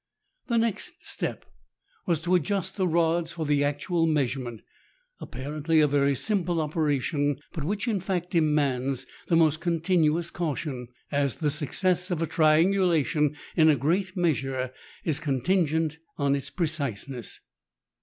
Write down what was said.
The next step was to adjust the rods for the actual measurement, apparently a very simple operation, but which, in fact, demands the most continuous caution, as the success of a triangulation in a great measure is con tingent on its preciseness.